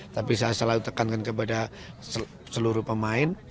tapi saya selalu tekankan kepada seluruh pemain